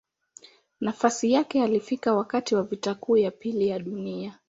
Nafasi yake alifika wakati wa Vita Kuu ya Pili ya Dunia.